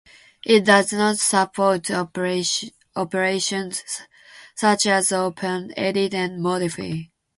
It does not support operations such as open, edit and modify.